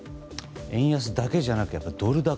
円安だけじゃなくドル高。